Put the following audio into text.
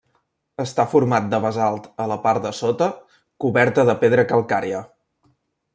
Està format de basalt a la part de sota, coberta de pedra calcària.